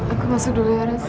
aku masih berduli aras